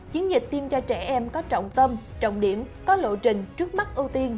chiến dịch tiêm cho trẻ em có trọng tâm trọng điểm có lộ trình trước mắt ưu tiên